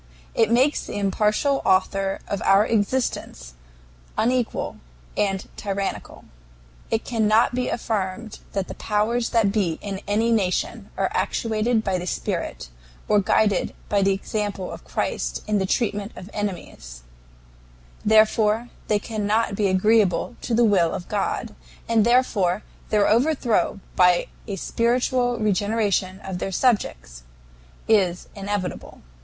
It makes the impartial Author of our existence unequal and tyrannical. It cannot be affirmed that the powers that be in any nation are actuated by the spirit or guided by the example of Christ in the treatment of enemies; therefore they cannot be agreeable to the will of God, and therefore their overthrow by a spiritual regeneration of their subjects is inevitable.